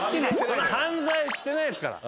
犯罪してないですから。